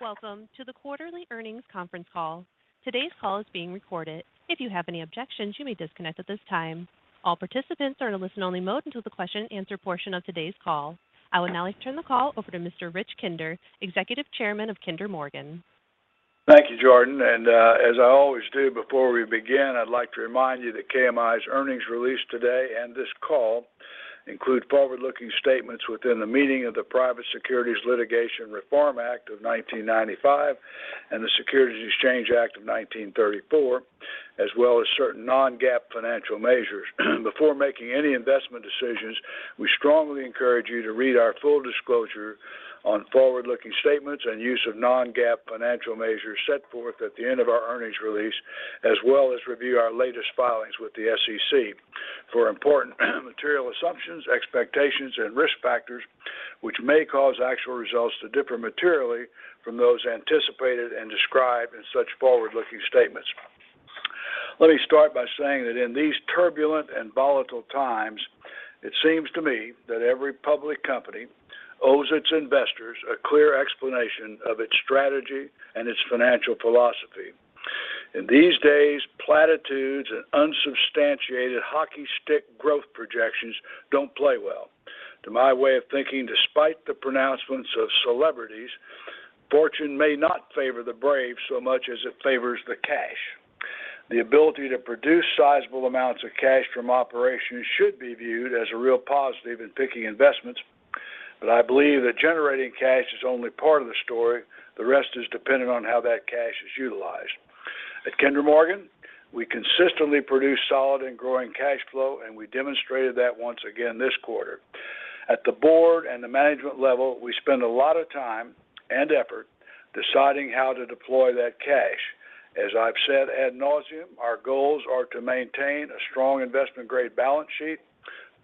Welcome to the quarterly earnings conference call. Today's call is being recorded. If you have any objections, you may disconnect at this time. All participants are in a listen only mode until the question and answer portion of today's call. I would now like to turn the call over to Mr. Rich Kinder, Executive Chairman of Kinder Morgan. Thank you, Jordan. As I always do, before we begin, I'd like to remind you that KMI's earnings release today and this call include forward-looking statements within the meaning of the Private Securities Litigation Reform Act of 1995 and the Securities Exchange Act of 1934, as well as certain non-GAAP financial measures. Before making any investment decisions, we strongly encourage you to read our full disclosure on forward-looking statements and use of non-GAAP financial measures set forth at the end of our earnings release, as well as review our latest filings with the SEC for important material assumptions, expectations, and risk factors which may cause actual results to differ materially from those anticipated and described in such forward-looking statements. Let me start by saying that in these turbulent and volatile times, it seems to me that every public company owes its investors a clear explanation of its strategy and its financial philosophy. In these days, platitudes and unsubstantiated hockey stick growth projections don't play well. To my way of thinking, despite the pronouncements of celebrities, fortune may not favor the brave so much as it favors the cash. The ability to produce sizable amounts of cash from operations should be viewed as a real positive in picking investments. I believe that generating cash is only part of the story. The rest is dependent on how that cash is utilized. At Kinder Morgan, we consistently produce solid and growing cash flow, and we demonstrated that once again this quarter. At the Board and the management level, we spend a lot of time and effort deciding how to deploy that cash. As I've said ad nauseam, our goals are to maintain a strong investment-grade balance sheet,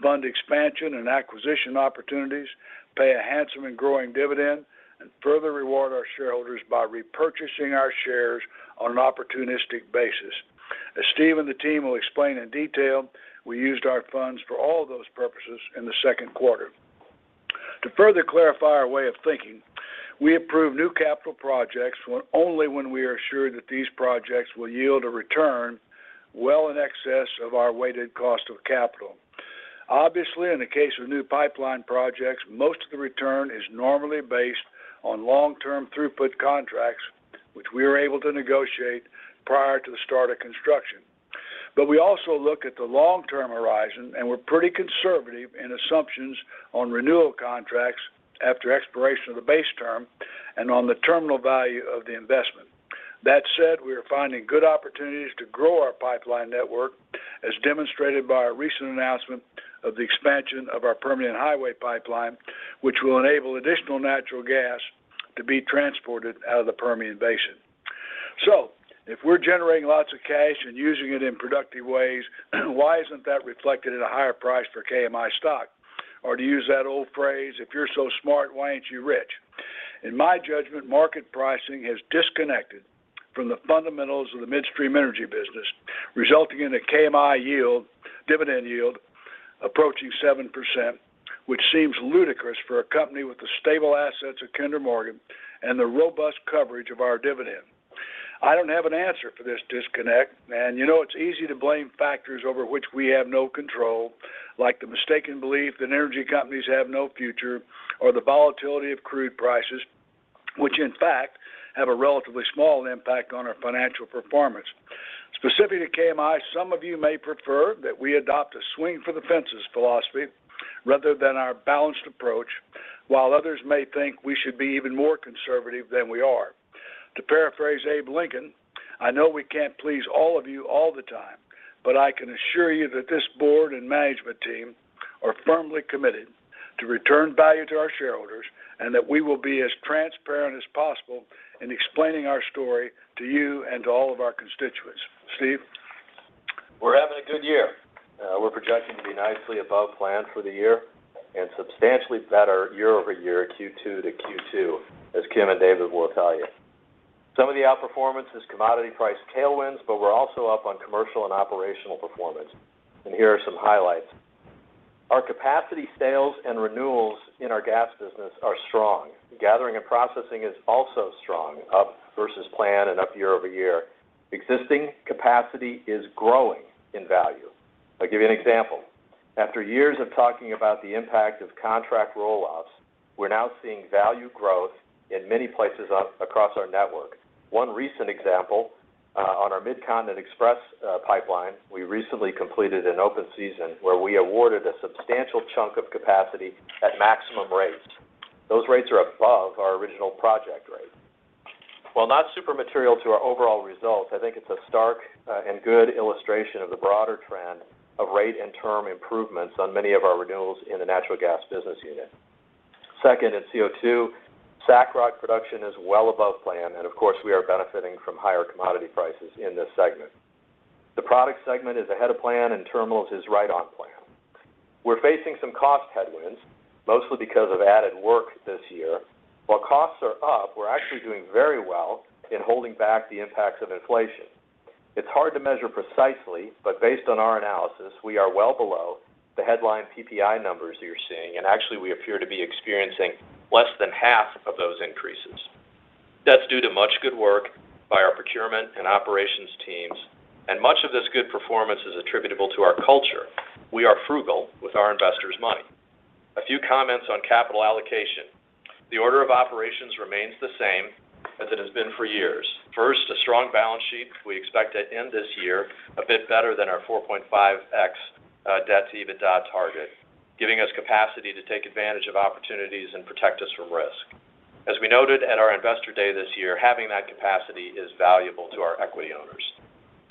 fund expansion and acquisition opportunities, pay a handsome and growing dividend, and further reward our shareholders by repurchasing our shares on an opportunistic basis. As Steve and the team will explain in detail, we used our funds for all those purposes in the second quarter. To further clarify our way of thinking, we approve new capital projects only when we are assured that these projects will yield a return well in excess of our weighted cost of capital. Obviously, in the case of new pipeline projects, most of the return is normally based on long-term throughput contracts, which we are able to negotiate prior to the start of construction. We also look at the long-term horizon, and we're pretty conservative in assumptions on renewal contracts after expiration of the base term and on the terminal value of the investment. That said, we are finding good opportunities to grow our pipeline network, as demonstrated by our recent announcement of the expansion of our Permian Highway Pipeline, which will enable additional natural gas to be transported out of the Permian Basin. If we're generating lots of cash and using it in productive ways, why isn't that reflected at a higher price for KMI stock? To use that old phrase, if you're so smart, why aren't you rich? In my judgment, market pricing has disconnected from the fundamentals of the midstream energy business, resulting in a KMI yield, dividend yield approaching 7%, which seems ludicrous for a company with the stable assets of Kinder Morgan and the robust coverage of our dividend. I don't have an answer for this disconnect, and you know, it's easy to blame factors over which we have no control, like the mistaken belief that energy companies have no future or the volatility of crude prices, which in fact have a relatively small impact on our financial performance. Specific to KMI, some of you may prefer that we adopt a swing for the fences philosophy rather than our balanced approach, while others may think we should be even more conservative than we are. To paraphrase Abe Lincoln, I know we can't please all of you all the time, but I can assure you that this board and management team are firmly committed to return value to our shareholders, and that we will be as transparent as possible in explaining our story to you and to all of our constituents. Steve? We're having a good year. We're projecting to be nicely above plan for the year and substantially better year-over-year Q2 to Q2, as Kim and David will tell you. Some of the outperformance is commodity price tailwinds, but we're also up on commercial and operational performance. Here are some highlights. Our capacity sales and renewals in our gas business are strong. Gathering and processing is also strong, up versus plan and up year-over-year. Existing capacity is growing in value. I'll give you an example. After years of talking about the impact of contract roll-offs, we're now seeing value growth in many places across our network. One recent example, on our Midcontinent Express Pipeline, we recently completed an open season where we awarded a substantial chunk of capacity at maximum rates. Those rates are above our original project rate. While not super material to our overall results, I think it's a stark and good illustration of the broader trend of rate and term improvements on many of our renewals in the natural gas business unit. Second is CO2. SACROC production is well above plan, and of course, we are benefiting from higher commodity prices in this segment. The product segment is ahead of plan, and terminals is right on plan. We're facing some cost headwinds, mostly because of added work this year. While costs are up, we're actually doing very well in holding back the impacts of inflation. It's hard to measure precisely, but based on our analysis, we are well below the headline PPI numbers you're seeing. Actually, we appear to be experiencing less than half of those increases. That's due to much good work by our procurement and operations teams, and much of this good performance is attributable to our culture. We are frugal with our investors' money. A few comments on capital allocation. The order of operations remains the same as it has been for years. First, a strong balance sheet. We expect to end this year a bit better than our 4.5 times debt-to-EBITDA target, giving us capacity to take advantage of opportunities and protect us from risk. As we noted at our Investor Day this year, having that capacity is valuable to our equity owners.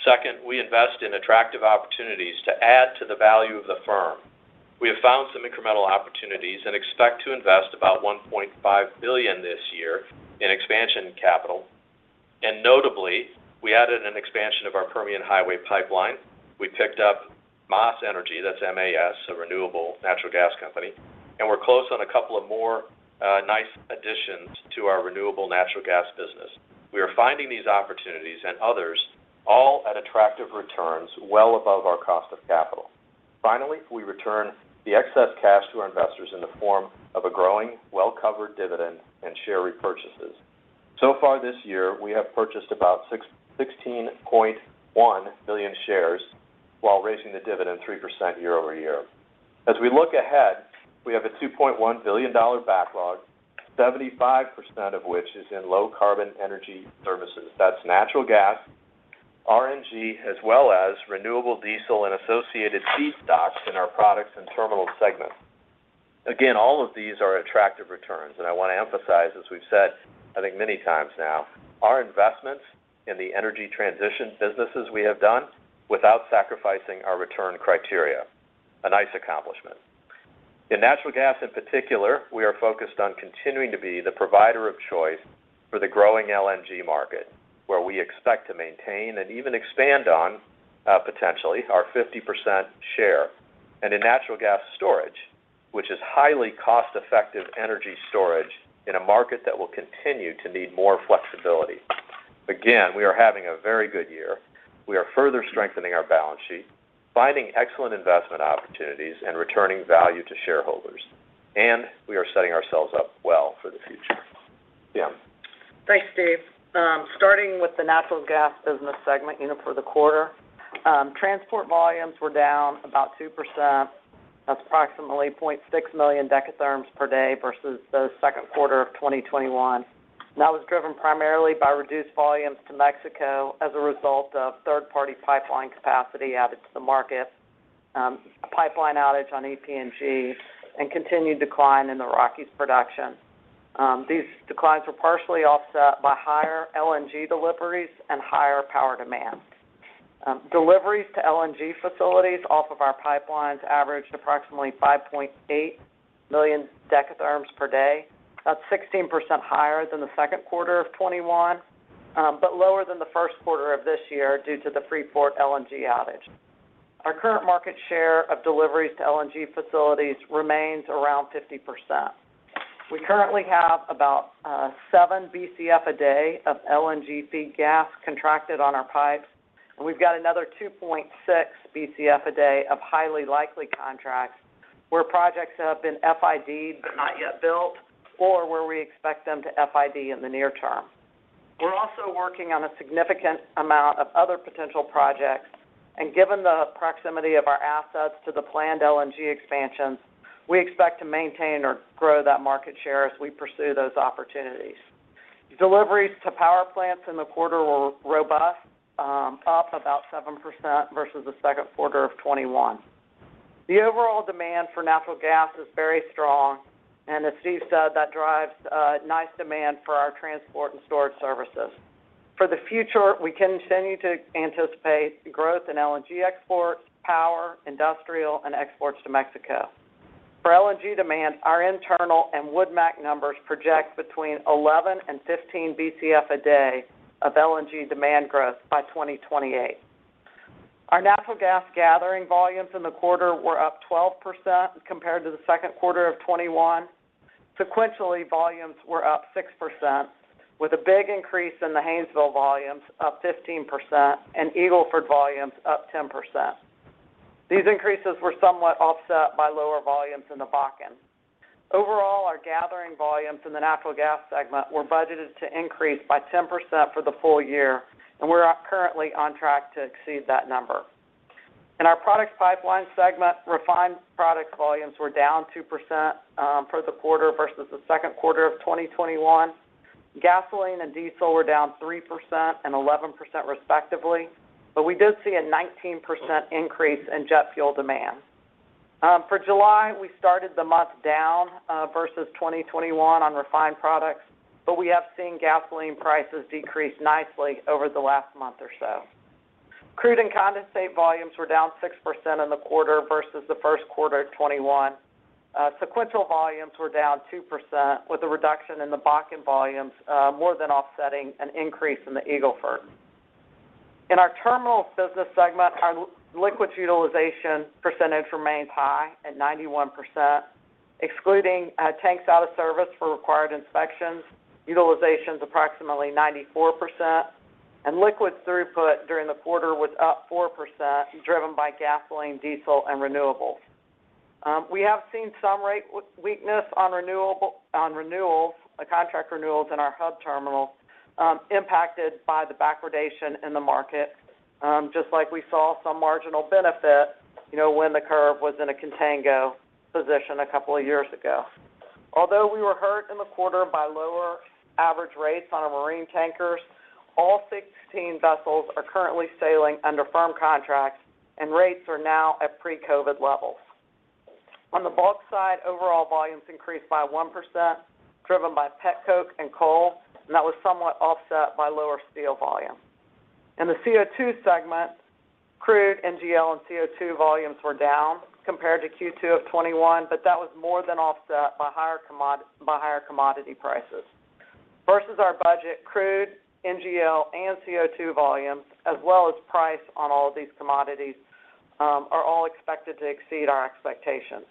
Second, we invest in attractive opportunities to add to the value of the firm. We have found some incremental opportunities and expect to invest about $1.5 billion this year in expansion capital. Notably, we added an expansion of our Permian Highway Pipeline. We picked up MAS Energy, that's M-A-S, a renewable natural gas company, and we're close on a couple of more nice additions to our renewable natural gas business. We are finding these opportunities and others all at attractive returns well above our cost of capital. Finally, we return the excess cash to our investors in the form of a growing, well-covered dividend and share repurchases. So far this year, we have purchased about 16.1 million shares while raising the dividend 3% year-over-year. As we look ahead, we have a $2.1 billion backlog, 75% of which is in low-carbon energy services. That's natural gas, RNG, as well as renewable diesel and associated feedstocks in our products and terminal segment. Again, all of these are attractive returns, and I want to emphasize, as we've said, I think many times now, our investments in the energy transition businesses we have done without sacrificing our return criteria, a nice accomplishment. In natural gas, in particular, we are focused on continuing to be the provider of choice for the growing LNG market, where we expect to maintain and even expand on, potentially our 50% share, and in natural gas storage, which is highly cost-effective energy storage in a market that will continue to need more flexibility. Again, we are having a very good year. We are further strengthening our balance sheet, finding excellent investment opportunities, and returning value to shareholders, and we are setting ourselves up well for the future. Kim? Thanks, Steve. Starting with the natural gas business segment, you know, for the quarter, transport volumes were down about 2%. That's approximately 0.6 million dekatherms per day versus the second quarter of 2021. That was driven primarily by reduced volumes to Mexico as a result of third-party pipeline capacity added to the market, a pipeline outage on EPNG, and continued decline in the Rockies production. These declines were partially offset by higher LNG deliveries and higher power demand. Deliveries to LNG facilities off of our pipelines averaged approximately 5.8 million dekatherms per day. That's 16% higher than the second quarter of 2021, but lower than the first quarter of this year due to the Freeport LNG outage. Our current market share of deliveries to LNG facilities remains around 50%. We currently have about 7 Bcf a day of LNG feed gas contracted on our pipes, and we've got another 2.6 Bcf a day of highly likely contracts where projects have been FID, but not yet built, or where we expect them to FID in the near term. We're also working on a significant amount of other potential projects, and given the proximity of our assets to the planned LNG expansions, we expect to maintain or grow that market share as we pursue those opportunities. Deliveries to power plants in the quarter were robust, up about 7% versus the second quarter of 2021. The overall demand for natural gas is very strong, and as Steve said, that drives nice demand for our transport and storage services. For the future, we continue to anticipate growth in LNG exports, power, industrial, and exports to Mexico. For LNG demand, our internal and WoodMac numbers project between 11 and 15 Bcf a day of LNG demand growth by 2028. Our natural gas gathering volumes in the quarter were up 12% compared to the second quarter of 2021. Sequentially, volumes were up 6% with a big increase in the Haynesville volumes up 15% and Eagle Ford volumes up 10%. These increases were somewhat offset by lower volumes in the Bakken. Overall, our gathering volumes in the natural gas segment were budgeted to increase by 10% for the full year, and we're currently on track to exceed that number. In our products pipeline segment, refined product volumes were down 2% for the quarter versus the second quarter of 2021. Gasoline and diesel were down 3% and 11% respectively, but we did see a 19% increase in jet fuel demand. For July, we started the month down versus 2021 on refined products, but we have seen gasoline prices decrease nicely over the last month or so. Crude and condensate volumes were down 6% in the quarter versus the first quarter of 2021. Sequential volumes were down 2% with a reduction in the Bakken volumes, more than offsetting an increase in the Eagle Ford. In our terminal business segment, our liquids utilization percentage remains high at 91%. Excluding tanks out of service for required inspections, utilization is approximately 94%, and liquid throughput during the quarter was up 4% driven by gasoline, diesel, and renewables. We have seen some rate weakness on renewals, contract renewals in our hub terminals, impacted by the backwardation in the market, just like we saw some marginal benefit, you know, when the curve was in a contango position a couple of years ago. Although we were hurt in the quarter by lower average rates on our marine tankers, all 16 vessels are currently sailing under firm contracts, and rates are now at pre-COVID levels. On the bulk side, overall volumes increased by 1% driven by petcoke and coal, and that was somewhat offset by lower steel volume. In the CO2 segment, crude, NGL, and CO2 volumes were down compared to Q2 of 2021, but that was more than offset by higher commodity prices. Versus our budget, crude, NGL, and CO2 volumes, as well as price on all of these commodities, are all expected to exceed our expectations.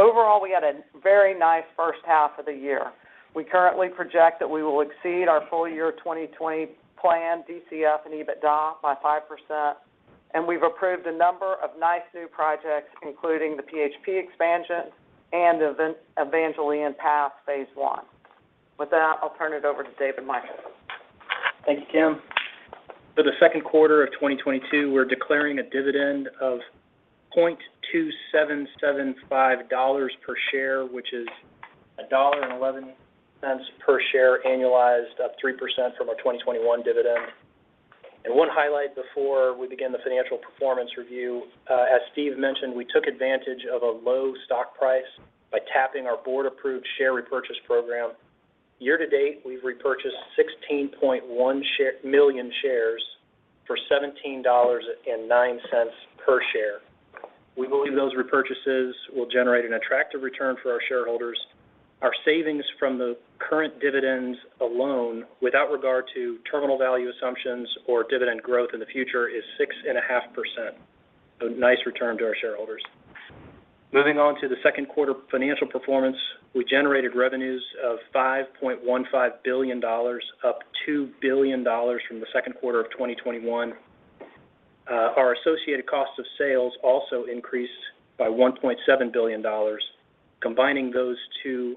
Overall, we had a very nice first half of the year. We currently project that we will exceed our full-year 2020 plan DCF and EBITDA by 5%, and we've approved a number of nice new projects, including the PHP expansion and the Evangeline Pass phase I. With that, I'll turn it over to David Michels. Thank you, Kim. For the second quarter of 2022, we're declaring a dividend of $0.2775 per share, which is $1.11 per share annualized, up 3% from our 2021 dividend. One highlight before we begin the financial performance review, as Steve mentioned, we took advantage of a low stock price by tapping our board-approved share repurchase program. Year-to-date, we've repurchased 16.1 million shares for $17.09 per share. We believe those repurchases will generate an attractive return for our shareholders. Our savings from the current dividends alone, without regard to terminal value assumptions or dividend growth in the future, is 6.5%. A nice return to our shareholders. Moving on to the second quarter financial performance. We generated revenues of $5.15 billion, up $2 billion from the second quarter of 2021. Our associated cost of sales also increased by $1.7 billion. Combining those two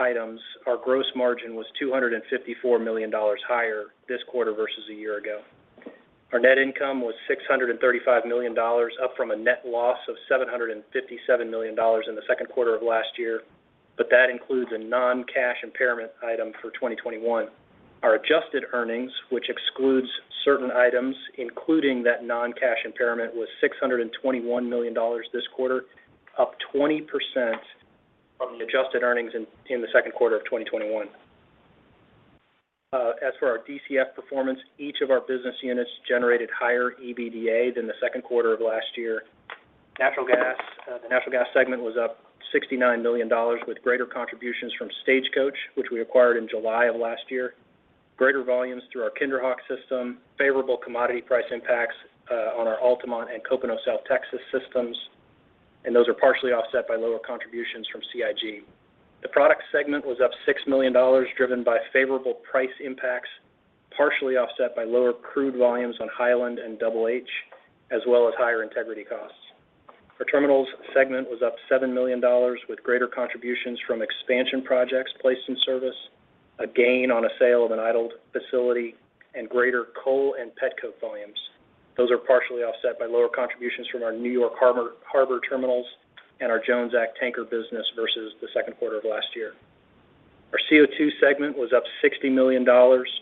items, our gross margin was $254 million higher this quarter versus a year ago. Our net income was $635 million, up from a net loss of $757 million in the second quarter of last year, but that includes a non-cash impairment item for 2021. Our adjusted earnings, which excludes certain items, including that non-cash impairment, was $621 million this quarter, up 20% from the adjusted earnings in the second quarter of 2021. As for our DCF performance, each of our business units generated higher EBDA than the second quarter of last year. Natural gas, the natural gas segment was up $69 million with greater contributions from Stagecoach, which we acquired in July of last year. Greater volumes through our KinderHawk system, favorable commodity price impacts on our Altamont and Copano South Texas systems, and those are partially offset by lower contributions from CIG. The products segment was up $6 million, driven by favorable price impacts, partially offset by lower crude volumes on Hiland and HH, as well as higher integrity costs. Our terminals segment was up $7 million, with greater contributions from expansion projects placed in service, a gain on a sale of an idled facility, and greater coal and petcoke volumes. Those are partially offset by lower contributions from our New York Harbor terminals and our Jones Act tanker business versus the second quarter of last year. Our CO2 segment was up $60 million,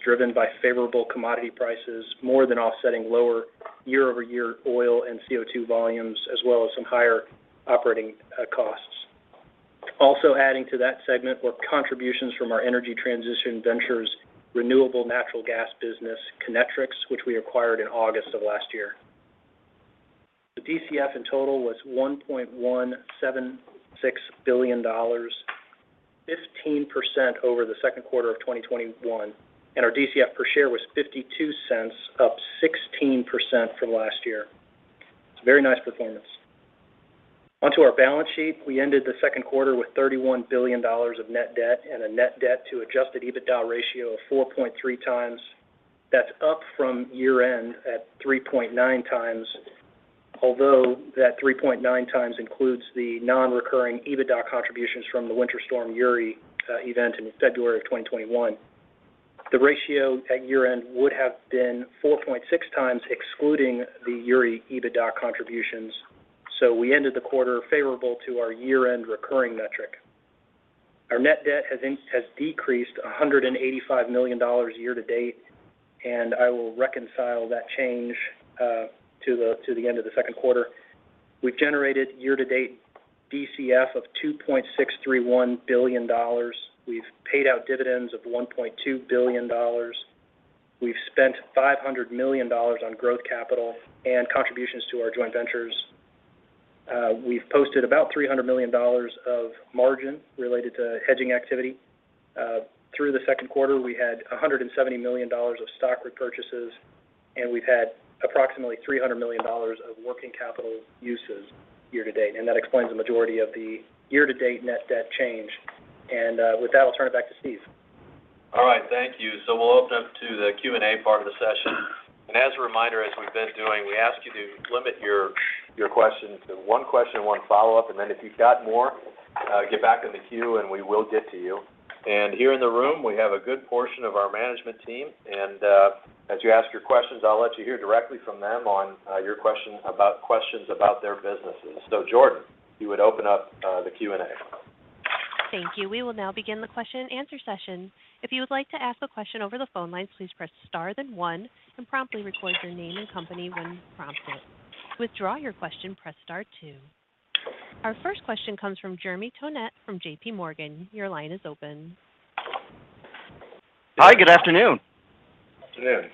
driven by favorable commodity prices, more than offsetting lower year-over-year oil and CO2 volumes, as well as some higher operating costs. Also adding to that segment were contributions from our energy transition ventures renewable natural gas business, Kinetrex, which we acquired in August of last year. The DCF in total was $1.176 billion, 15% over the second quarter of 2021, and our DCF per share was $0.52, up 16% from last year. It's a very nice performance. Onto our balance sheet. We ended the second quarter with $31 billion of net debt and a net debt to adjusted EBITDA ratio of 4.3 times. That's up from year-end at 3.9 times, although that 3.9 times includes the non-recurring EBITDA contributions from the Winter Storm Uri event in February of 2021. The ratio at year-end would have been 4.6 times, excluding the Uri EBITDA contributions. We ended the quarter favorable to our year-end recurring metric. Our net debt has decreased $185 million year-to-date, and I will reconcile that change to the end of the second quarter. We've generated year-to-date DCF of $2.631 billion. We've paid out dividends of $1.2 billion. We've spent $500 million on growth capital and contributions to our joint ventures. We've posted about $300 million of margin related to hedging activity. Through the second quarter, we had $170 million of stock repurchases, and we've had approximately $300 million of working capital uses year-to-date, and that explains the majority of the year-to-date net debt change. With that, I'll turn it back to Steve. All right. Thank you. We'll open up to the Q&A part of the session. As a reminder, as we've been doing, we ask you to limit your questions to one question, one follow-up. Then if you've got more, get back in the queue, and we will get to you. Here in the room, we have a good portion of our management team. As you ask your questions, I'll let you hear directly from them on your questions about their businesses. Jordan, if you would open up the Q&A. Thank you. We will now begin the question-and-answer session. If you would like to ask a question over the phone lines, please press star then one and promptly record your name and company when prompted. To withdraw your question, press star two. Our first question comes from Jeremy Tonet from JPMorgan. Your line is open. Hi, good afternoon. Good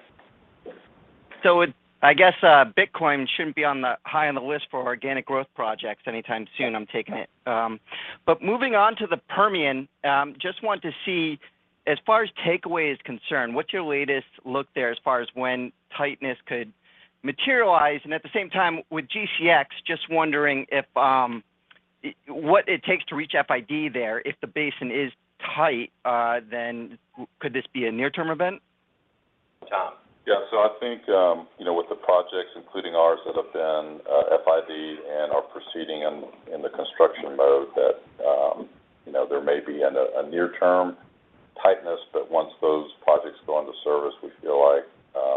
afternoon. I guess Bitcoin shouldn't be high on the list for organic growth projects anytime soon, I'm taking it. Moving on to the Permian, just want to see, as far as takeaway is concerned, what's your latest look there as far as when tightness could materialize? At the same time, with GCX, just wondering if what it takes to reach FID there, if the basin is tight, then could this be a near-term event? Tom? Yeah. I think, you know, with the projects, including ours, that have been FID and are proceeding in the construction mode that, you know, there may be a near-term tightness. But once those projects go into service, we feel like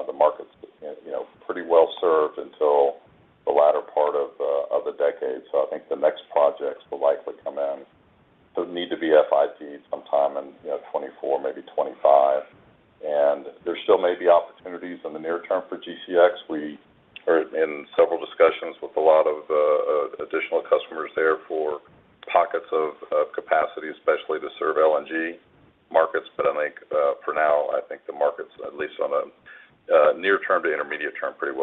the market's, you know, pretty well-served until the latter part of the decade. I think the next projects will likely come in. It need to be FID sometime in, you know, 2024, maybe 2025. And there still may be opportunities in the near term for GCX. We are in several discussions with a lot of additional customers there for pockets of capacity, especially to serve LNG markets. But I think, for now, I think the market's at least on a near-term to intermediate term, pretty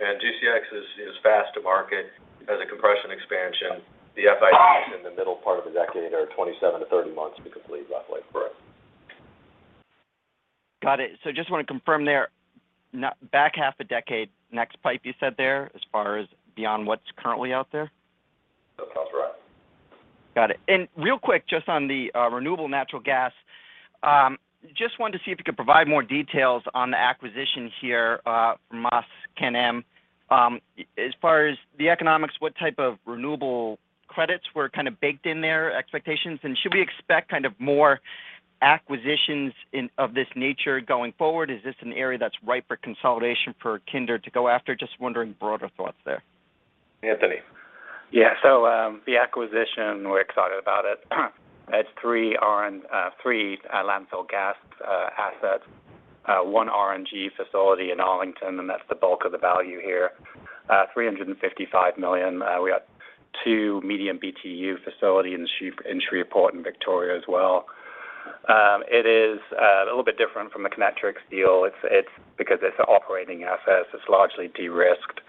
well-served. GCX is fast to market. As a compression expansion, the FID is in the middle part of the decade or 27-30 months to be complete, roughly. Correct. Got it. Just want to confirm there, back half a decade, next pipe you said there as far as beyond what's currently out there? That's correct. Got it. Real quick, just on the renewable natural gas, just wanted to see if you could provide more details on the acquisition here, from MAS CanAm. As far as the economics, what type of renewable credits were kind of baked in their expectations? Should we expect kind of more acquisitions of this nature going forward? Is this an area that's ripe for consolidation for Kinder to go after? Just wondering broader thoughts there. Anthony? Yeah. The acquisition, we're excited about it. It's three landfill gas assets, one RNG facility in Arlington, and that's the bulk of the value here. $355 million. We got two medium BTU facility in Shreveport in Victoria as well. It is a little bit different from the Kinetrex deal. It's because it's an operating asset, it's largely de-risked.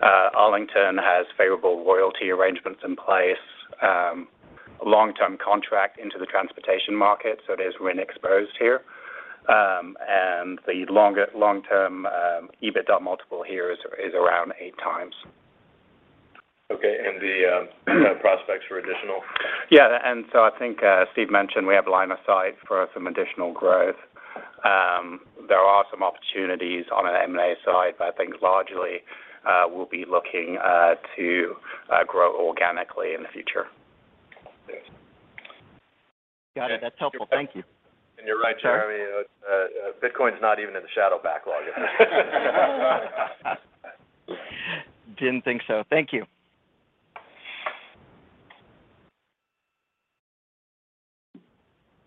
Arlington has favorable royalty arrangements in place. Long-term contract into the transportation market, so it is wind exposed here. The long-term EBITDA multiple here is around 8 times. Okay. The prospects for additional? Yeah. I think Steve mentioned we have line of sight for some additional growth. There are some opportunities on an M&A side, but I think largely, we'll be looking to grow organically in the future. Thanks. Got it. That's helpful. Thank you. You're right, Jeremy. Bitcoin is not even in the shadow backlog. Didn't think so. Thank you.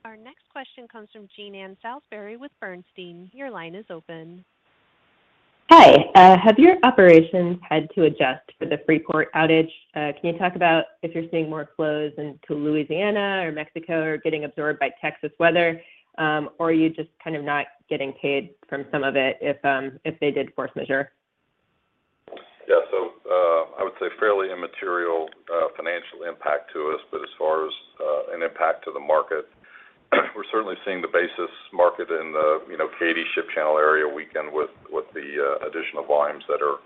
Our next question comes from Jean Ann Salisbury with Bernstein. Your line is open. Hi. Have your operations had to adjust for the Freeport outage? Can you talk about if you're seeing more flows into Louisiana or Mexico or getting absorbed by Texas weather? Or are you just kind of not getting paid from some of it if they did force majeure? Yeah. I would say fairly immaterial financial impact to us. But as far as an impact to the market, we're certainly seeing the basis market in the, you know, Katy Ship Channel area weakened with the additional volumes that are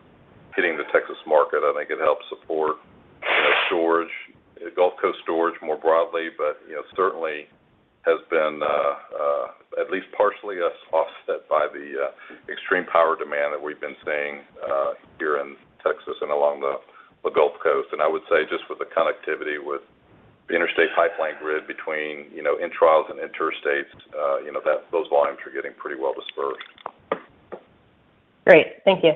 hitting the Texas market. I think it helps support, you know, storage, Gulf Coast storage more broadly, but, you know, certainly has been at least partially offset by the extreme power demand that we've been seeing here in Texas and along the Gulf Coast. I would say just with the connectivity with the interstate pipeline grid between, you know, intrastates and interstates, you know, those volumes are getting pretty well dispersed. Great. Thank you.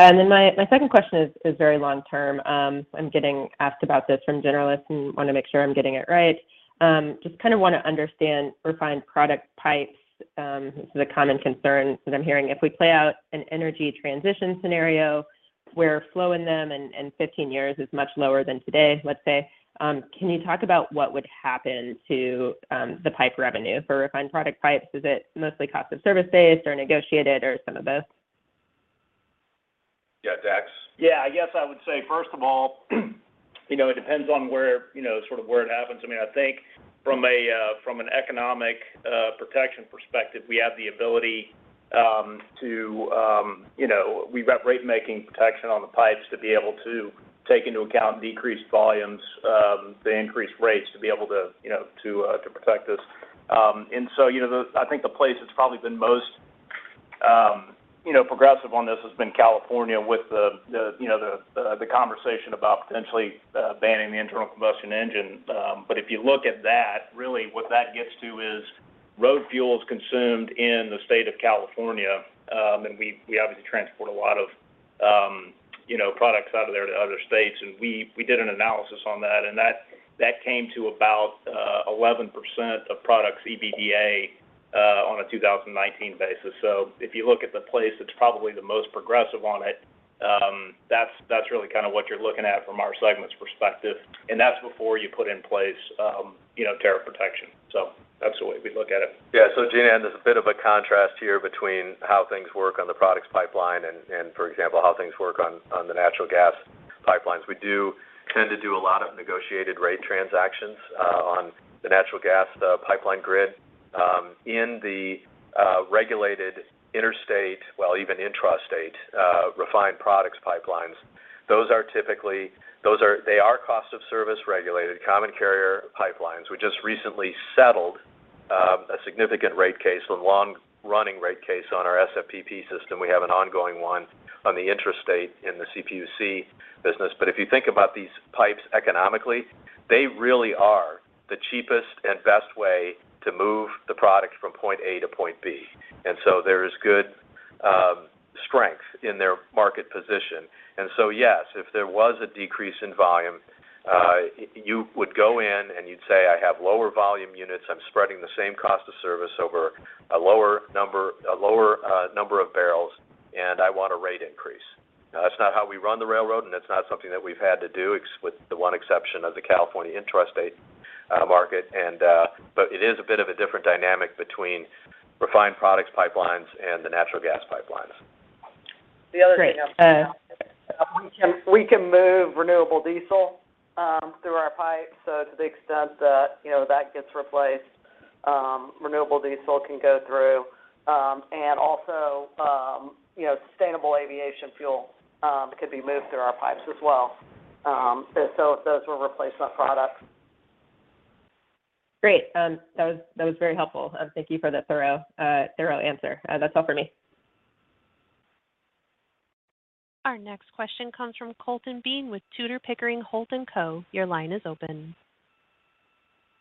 My second question is very long-term. I'm getting asked about this from generalists and want to make sure I'm getting it right. Just kind of want to understand refined product pipes. The common concern that I'm hearing, if we play out an energy transition scenario where flow in them in 15 years is much lower than today, let's say, can you talk about what would happen to the pipe revenue for refined product pipes? Is it mostly cost of service-based or negotiated or some of both? Yeah, Dax? I guess I would say, first of all, you know, it depends on where, you know, sort of where it happens. I mean, I think from an economic protection perspective, we have the ability. You know, we've got rate-making protection on the pipes to be able to take into account decreased volumes, the increased rates to be able to, you know, to protect us. I think the place that's probably been most progressive on this has been California with the conversation about potentially banning the internal combustion engine. If you look at that, really what that gets to is road fuels consumed in the state of California. We obviously transport a lot of, you know, products out of there to other states. We did an analysis on that, and that came to about 11% of products EBDA on a 2019 basis. If you look at the place that's probably the most progressive on it, that's really kind of what you're looking at from our segment's perspective, and that's before you put in place, you know, tariff protection. That's the way we look at it. Yeah. Jean Ann, there's a bit of a contrast here between how things work on the products pipeline and for example how things work on the natural gas pipelines. We do tend to do a lot of negotiated rate transactions on the natural gas pipeline grid. In the regulated interstate, well, even intrastate, refined products pipelines, they are cost of service regulated common carrier pipelines. We just recently settled a significant rate case, a long-running rate case on our SFPP system. We have an ongoing one on the intrastate in the CPUC business. If you think about these pipes economically, they really are the cheapest and best way to move the product from point A to point B. There is good strength in their market position. Yes, if there was a decrease in volume, you would go in and you'd say, "I have lower volume units. I'm spreading the same cost of service over a lower number of barrels, and I want a rate increase." That's not how we run the railroad, and that's not something that we've had to do, except with the one exception of the California intrastate market. But it is a bit of a different dynamic between refined products pipelines and the natural gas pipelines. The other thing, we can move renewable diesel through our pipes. To the extent that, you know, that gets replaced, renewable diesel can go through. You know, sustainable aviation fuel could be moved through our pipes as well. If those were replacement products. Great. That was very helpful. Thank you for the thorough answer. That's all for me. Our next question comes from Colton Bean with Tudor, Pickering, Holt & Co. Your line is open.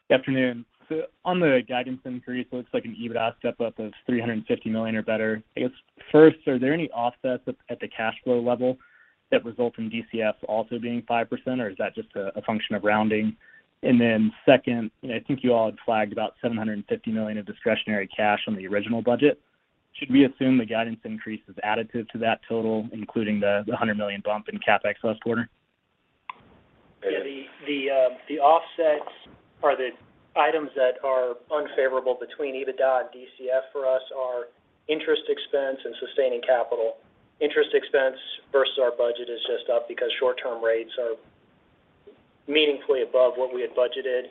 Good afternoon. On the guidance increase, it looks like an EBITDA step-up of $350 million or better. I guess, first, are there any offsets at the cash flow level that result in DCF also being 5%, or is that just a function of rounding? Then second, you know, I think you all had flagged about $750 million of discretionary cash on the original budget. Should we assume the guidance increase is additive to that total, including the $100 million bump in CapEx last quarter? Yeah. The offsets or the items that are unfavorable between EBITDA and DCF for us are interest expense and sustaining capital. Interest expense versus our budget is just up because short-term rates are meaningfully above what we had budgeted,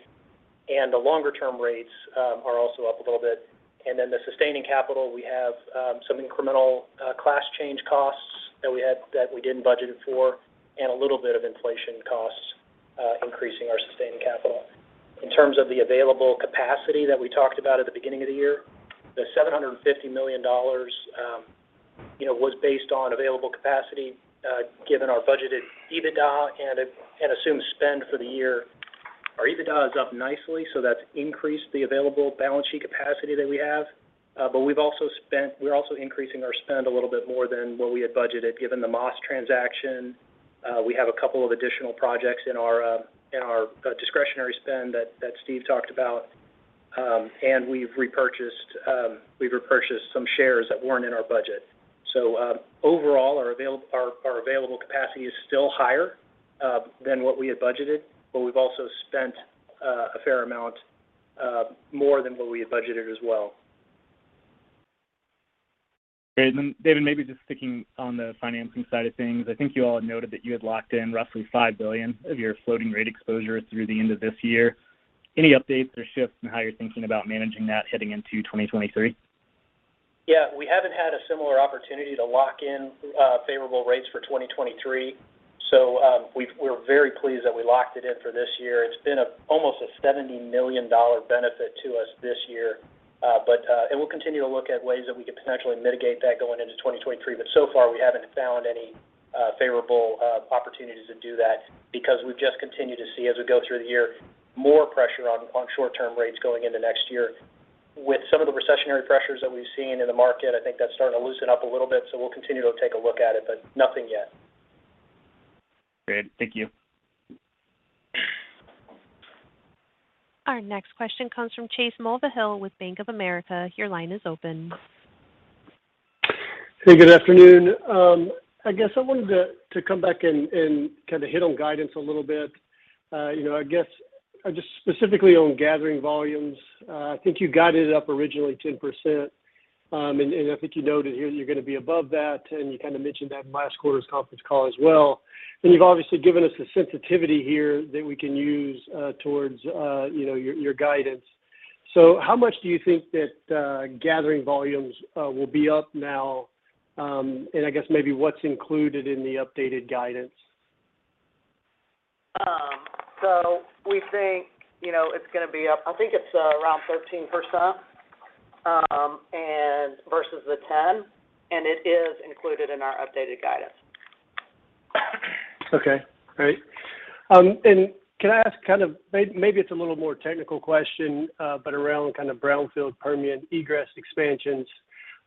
and the longer-term rates are also up a little bit. The sustaining capital, we have some incremental class change costs that we didn't budget it for, and a little bit of inflation costs increasing our sustaining capital. In terms of the available capacity that we talked about at the beginning of the year, the $750 million, you know, was based on available capacity given our budgeted EBITDA and assumed spend for the year. Our EBITDA is up nicely, so that's increased the available balance sheet capacity that we have. We're also increasing our spend a little bit more than what we had budgeted. Given the MAS transaction, we have a couple of additional projects in our discretionary spend that Steve talked about. We've repurchased some shares that weren't in our budget. Overall, our available capacity is still higher than what we had budgeted, but we've also spent a fair amount more than what we had budgeted as well. Great. David, maybe just sticking on the financing side of things. I think you all had noted that you had locked in roughly $5 billion of your floating rate exposure through the end of this year. Any updates or shifts in how you're thinking about managing that heading into 2023? Yeah. We haven't had a similar opportunity to lock in favorable rates for 2023. We're very pleased that we locked it in for this year. It's been almost a $70 million benefit to us this year. We'll continue to look at ways that we could potentially mitigate that going into 2023. We haven't found any favorable opportunities to do that because we've just continued to see, as we go through the year, more pressure on short-term rates going into next year. With some of the recessionary pressures that we've seen in the market, I think that's starting to loosen up a little bit, so we'll continue to take a look at it, but nothing yet. Great, thank you. Our next question comes from Chase Mulvehill with Bank of America. Your line is open. Hey, good afternoon. I guess I wanted to come back and kind of hit on guidance a little bit. You know, I guess just specifically on gathering volumes, I think you guided up originally 10%. I think you noted here you're going to be above that, and you kind of mentioned that in last quarter's conference call as well. You've obviously given us the sensitivity here that we can use towards you know, your guidance. How much do you think that gathering volumes will be up now? I guess maybe what's included in the updated guidance. We think, you know, it's going to be up. I think it's around 13% versus the 10%, and it is included in our updated guidance. Okay, great. Can I ask kind of maybe it's a little more technical question, but around kind of brownfield Permian egress expansions.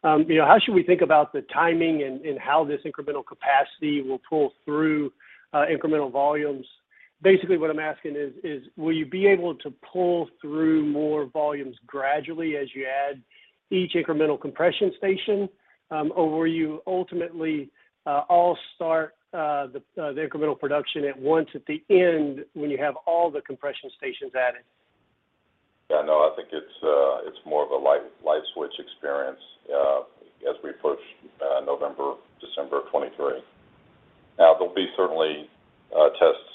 You know, how should we think about the timing and how this incremental capacity will pull through incremental volumes? Basically, what I'm asking is will you be able to pull through more volumes gradually as you add each incremental compression station? Or will you ultimately start all the incremental production at once at the end when you have all the compression stations added? Yeah, no, I think it's more of a light switch experience as we approach November, December 2023. Now there'll be certainly test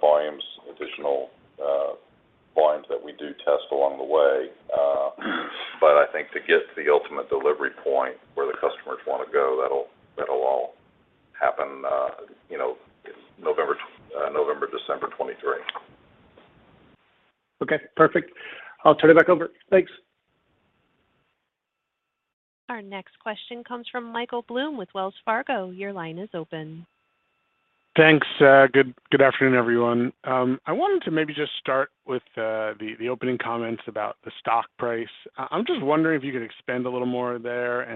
volumes, additional volumes that we test along the way. I think to get to the ultimate delivery point where the customers want to go, that'll all happen, you know, November, December 2023. Okay, perfect. I'll turn it back over. Thanks. Our next question comes from Michael Blum with Wells Fargo. Your line is open. Thanks. Good afternoon, everyone. I wanted to maybe just start with the opening comments about the stock price. I'm just wondering if you could expand a little more there.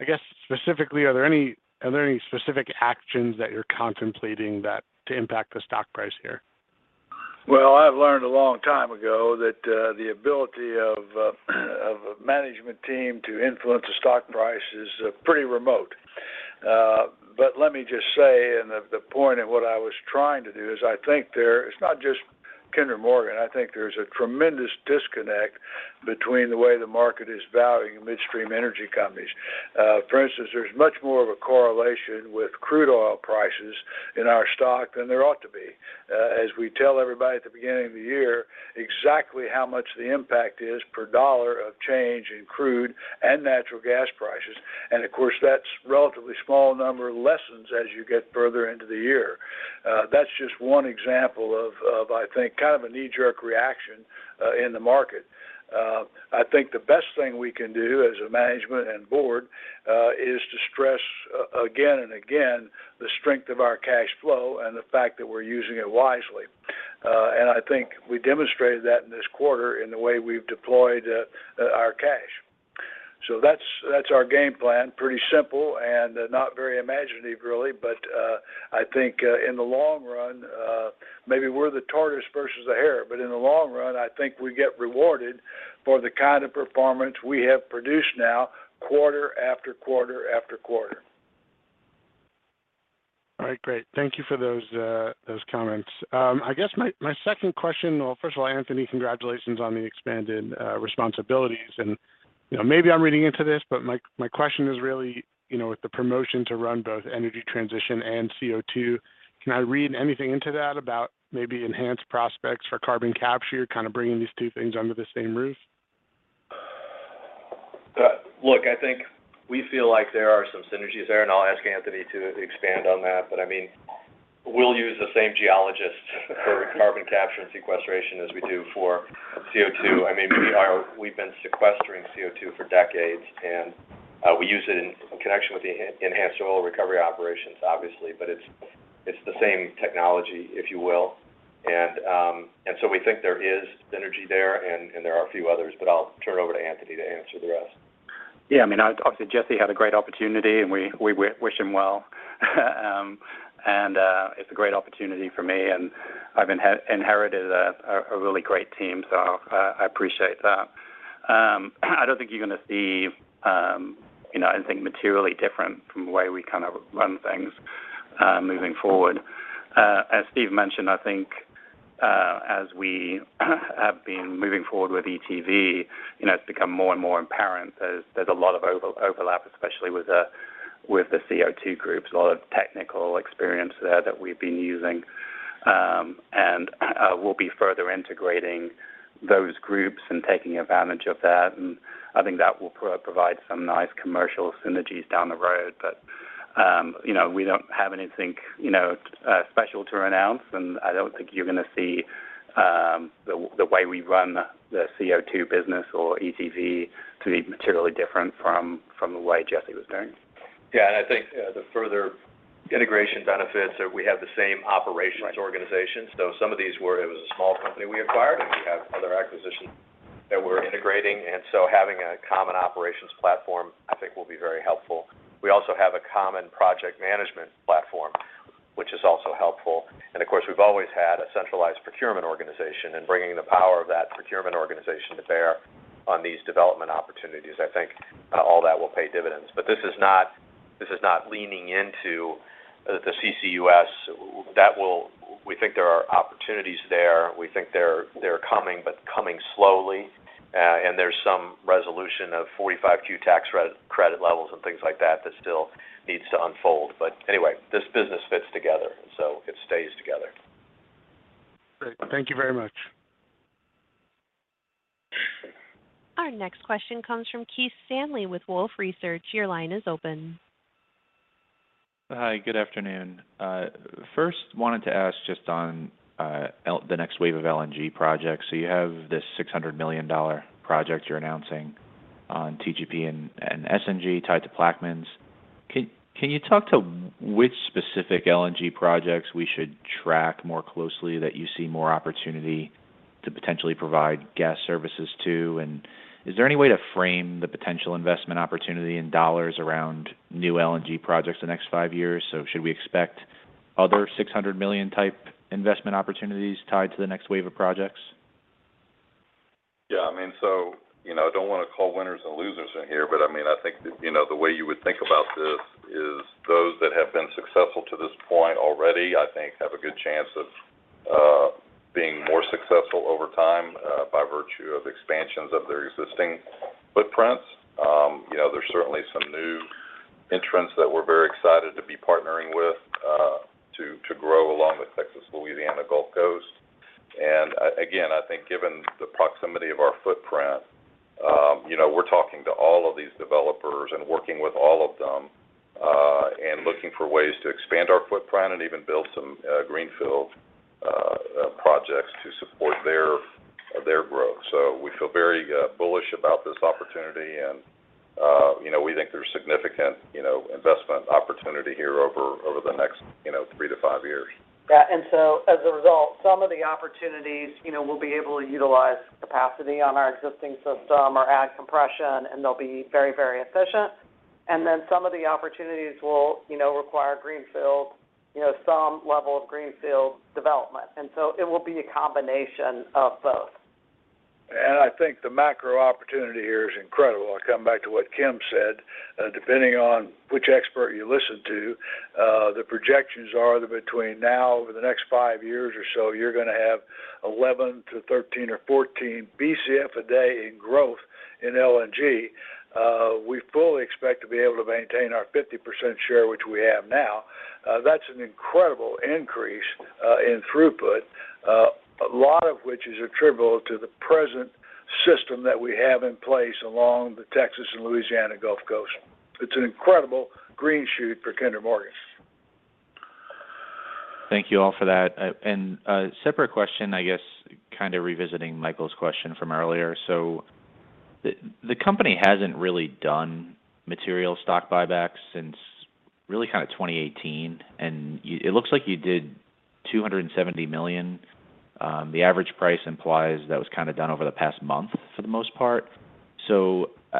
I guess specifically, are there any specific actions that you're contemplating that to impact the stock price here? Well, I've learned a long time ago that the ability of a management team to influence the stock price is pretty remote. Let me just say, the point of what I was trying to do is I think it's not just Kinder Morgan. I think there's a tremendous disconnect between the way the market is valuing midstream energy companies. For instance, there's much more of a correlation with crude oil prices in our stock than there ought to be. As we tell everybody at the beginning of the year exactly how much the impact is per dollar of change in crude and natural gas prices. Of course, that's a relatively small number that lessens as you get further into the year. That's just one example of I think kind of a knee-jerk reaction in the market. I think the best thing we can do as a management and board is to stress again and again the strength of our cash flow and the fact that we're using it wisely. I think we demonstrated that in this quarter in the way we've deployed our cash. That's our game plan. Pretty simple and not very imaginative really, but I think in the long run maybe we're the tortoise versus the hare. In the long run, I think we get rewarded for the kind of performance we have produced now quarter after quarter after quarter. All right, great. Thank you for those comments. I guess my second question. Well, first of all, Anthony, congratulations on the expanded responsibilities. You know, maybe I'm reading into this, but my question is really, you know, with the promotion to run both energy transition and CO2, can I read anything into that about maybe enhanced prospects for carbon capture, kind of bringing these two things under the same roof? Look, I think we feel like there are some synergies there, and I'll ask Anthony to expand on that. I mean, we'll use the same geologists for carbon capture and sequestration as we do for CO2. I mean, we've been sequestering CO2 for decades, and we use it in connection with the enhanced oil recovery operations, obviously. It's the same technology, if you will. We think there is synergy there and there are a few others, but I'll turn it over to Anthony to answer the rest. Yeah. I mean, obviously, Jesse had a great opportunity, and we wish him well. It's a great opportunity for me, and I've inherited a really great team, so I appreciate that. I don't think you're going to see, you know, anything materially different from the way we kind of run things moving forward. As Steve mentioned, I think, as we have been moving forward with ETV, you know, it's become more and more apparent there's a lot of overlap, especially with the CO2 groups, a lot of technical experience there that we've been using. We'll be further integrating those groups and taking advantage of that. I think that will provide some nice commercial synergies down the road. You know, we don't have anything, you know, special to announce, and I don't think you're going to see the way we run the CO2 business or ETV to be materially different from the way Jesse was doing. Yeah. I think the further integration benefits are we have the same operations organization. Some of these it was a small company we acquired, and we have other acquisitions that we're integrating. Having a common operations platform I think will be very helpful. We also have a common project management platform, which is also helpful. Of course, we've always had a centralized procurement organization and bringing the power of that procurement organization to bear on these development opportunities. I think all that will pay dividends. This is not leaning into the CCUS. We think there are opportunities there. We think they're coming, but coming slowly. There's some resolution of Section 45Q tax credit levels and things like that still needs to unfold. Anyway, this business fits together, so it stays together. Great. Thank you very much. Our next question comes from Keith Stanley with Wolfe Research. Your line is open. Hi, good afternoon. First wanted to ask just on the next wave of LNG projects. You have this $600 million project you're announcing on TGP and SNG tied to Plaquemines. Can you talk to which specific LNG projects we should track more closely that you see more opportunity to potentially provide gas services to? Is there any way to frame the potential investment opportunity in dollars around new LNG projects the next five years? Should we expect other $600 million type investment opportunities tied to the next wave of projects? I mean, you know, I don't want to call winners and losers in here, but I mean, I think, you know, the way you would think about this is those that have been successful to this point already, I think have a good chance of being more successful over time by virtue of expansions of their existing footprints. You know, there's certainly some new entrants that we're very excited to be partnering with to grow along the Texas Louisiana Gulf Coast. Again, I think given the proximity of our footprint, you know, we're talking to all of these developers and working with all of them and looking for ways to expand our footprint and even build some greenfield projects to support their growth. We feel very bullish about this opportunity. You know, we think there's significant, you know, investment opportunity here over the next 3-5 years. Yeah. As a result, some of the opportunities, you know, we'll be able to utilize capacity on our existing system or add compression, and they'll be very, very efficient. Some of the opportunities will, you know, require greenfield, you know, some level of greenfield development. It will be a combination of both. I think the macro opportunity here is incredible. I come back to what Kim said, depending on which expert you listen to, the projections are that between now over the next five years or so, you're going to have 11 Bcf-13 Bcf or 14 Bcf a day in growth in LNG. We fully expect to be able to maintain our 50% share, which we have now. That's an incredible increase in throughput, a lot of which is attributable to the present system that we have in place along the Texas and Louisiana Gulf Coast. It's an incredible green shoot for Kinder Morgan. Thank you all for that. A separate question, I guess, kind of revisiting Michael's question from earlier. The company hasn't really done material stock buybacks since really kind of 2018. It looks like you did $270 million. The average price implies that was kind of done over the past month for the most part.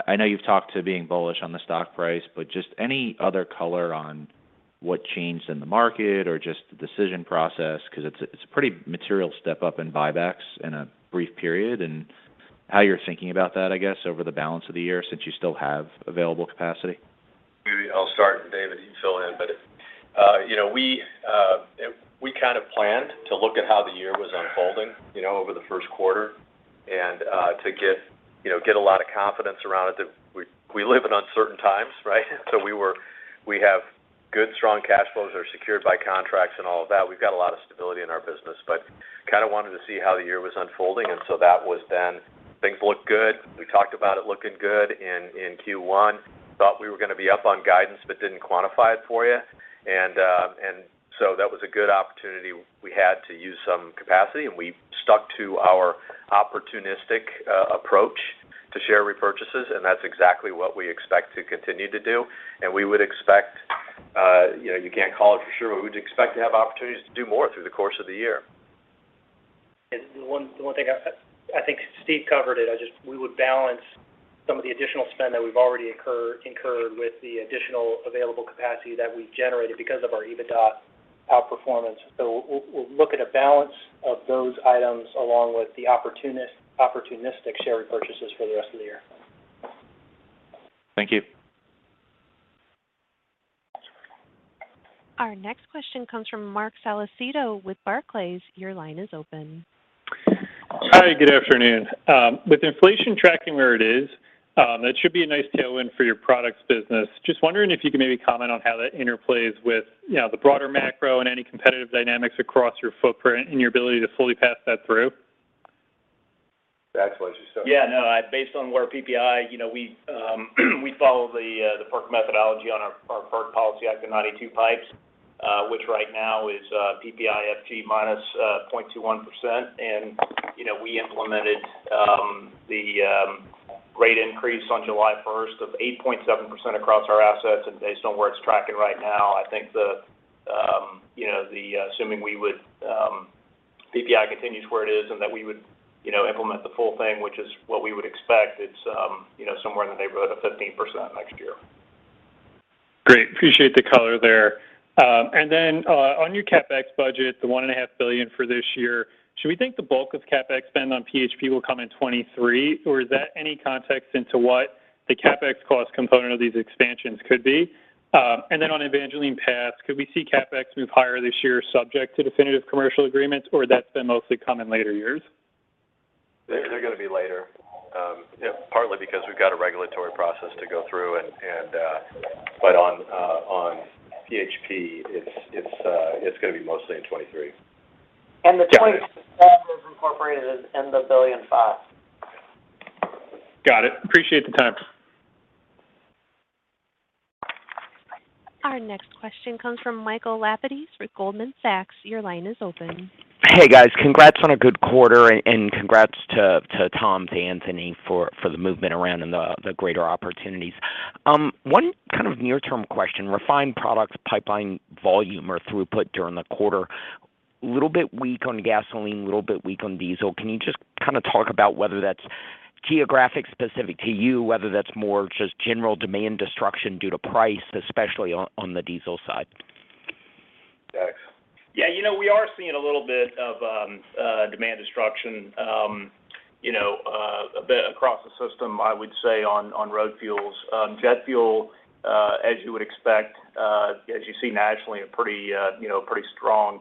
I know you've talked about being bullish on the stock price, but just any other color on what changed in the market or just the decision process, because it's a pretty material step up in buybacks in a brief period. How you're thinking about that, I guess, over the balance of the year since you still have available capacity. Maybe I'll start, and David, you can fill in. You know, we kind of planned to look at how the year was unfolding, you know, over the first quarter and to get a lot of confidence around it that we live in uncertain times, right? We have good, strong cash flows that are secured by contracts and all of that. We've got a lot of stability in our business, but kind of wanted to see how the year was unfolding. That was then. Things looked good. We talked about it looking good in Q1. Thought we were going to be up on guidance, but didn't quantify it for you. That was a good opportunity we had to use some capacity, and we stuck to our opportunistic approach to share repurchases. That's exactly what we expect to continue to do. We would expect, you know, you can't call it for sure, but we'd expect to have opportunities to do more through the course of the year. The one thing I think Steve covered it. We would balance some of the additional spend that we've already incurred with the additional available capacity that we generated because of our EBITDA outperformance. We'll look at a balance of those items along with the opportunistic share repurchases for the rest of the year. Thank you. Our next question comes from Marc Solecitto with Barclays. Your line is open. Hi, good afternoon. With inflation tracking where it is, that should be a nice tailwind for your products business. Just wondering if you could maybe comment on how that interplays with, you know, the broader macro and any competitive dynamics across your footprint and your ability to fully pass that through. Dax, why don’t you start? Yeah, no. Based on where PPI, you know, we follow the FERC methodology on our FERC policy on the 92 pipes, which right now is PPI-FG -0.21%. You know, we implemented the rate increase on July 1st of 8.7% across our assets. Based on where it's tracking right now, I think, you know, assuming PPI continues where it is and that we would, you know, implement the full thing, which is what we would expect, it's, you know, somewhere in the neighborhood of 15% next year. Great. Appreciate the color there. Then, on your CapEx budget, the $1.5 billion for this year, should we think the bulk of CapEx spend on PHP will come in 2023? Or is there any context into what the CapEx cost component of these expansions could be? Then on Evangeline Pass, could we see CapEx move higher this year subject to definitive commercial agreements, or has that been mostly to come in later years? They're gonna be later. Yeah, partly because we've got a regulatory process to go through. On PHP, it's gonna be mostly in 2023. The $20 is incorporated in the $5 billion. Got it. Appreciate the time. Our next question comes from Michael Lapides with Goldman Sachs. Your line is open. Hey, guys. Congrats on a good quarter and congrats to Tom, to Anthony for the movement around and the greater opportunities. One kind of near-term question. Refined products pipeline volume or throughput during the quarter, little bit weak on gasoline, little bit weak on diesel. Can you just kind of talk about whether that's geographic specific to you, whether that's more just general demand destruction due to price, especially on the diesel side? Dax? Yeah. You know, we are seeing a little bit of demand destruction, you know, a bit across the system, I would say on road fuels. Jet fuel, as you would expect, as you see nationally a pretty, you know, pretty strong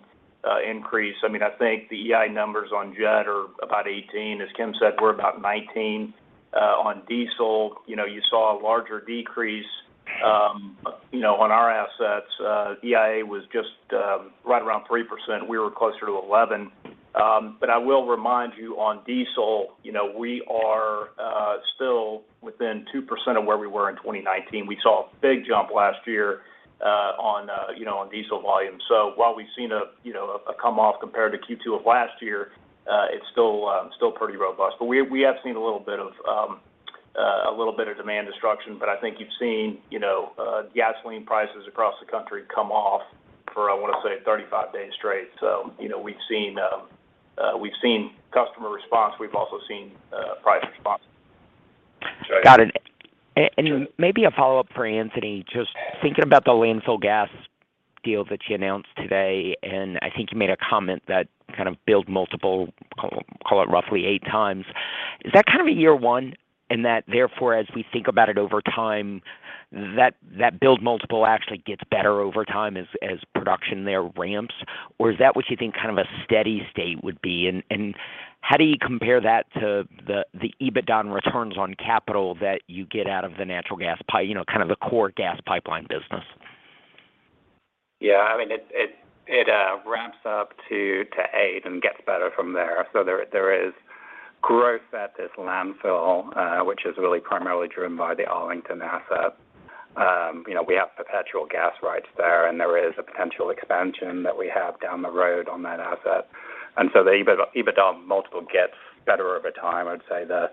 increase. I mean, I think the EIA numbers on jet are about 18. As Kim said, we're about 19. On diesel, you know, you saw a larger decrease, you know, on our assets. EIA was just right around 3%. We were closer to 11%. But I will remind you on diesel, you know, we are still within 2% of where we were in 2019. We saw a big jump last year, you know, on diesel volume. While we've seen a come off compared to Q2 of last year, it's still pretty robust. We have seen a little bit of demand destruction. I think you've seen, you know, gasoline prices across the country come off for, I wanna say 35 days straight. You know, we've seen customer response. We've also seen price response. Got it. Maybe a follow-up for Anthony, just thinking about the landfill gas deal that you announced today, and I think you made a comment that kind of bid multiple, call it roughly 8 times. Is that kind of a year one, and that therefore as we think about it over time, that bid multiple actually gets better over time as production there ramps? Or is that what you think kind of a steady state would be? How do you compare that to the EBITDA and returns on capital that you get out of the natural gas you know, kind of the core gas pipeline business? Yeah. I mean, it ramps up to 8 and gets better from there. There is growth at this landfill, which is really primarily driven by the Arlington asset. You know, we have perpetual gas rights there, and there is a potential expansion that we have down the road on that asset. The EBITDA multiple gets better over time. I'd say the